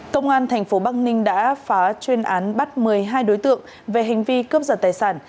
công an tp bắc ninh đã phá chuyên án bắt một mươi hai đối tượng về hành vi cướp giật tài sản